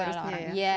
iya seperti itu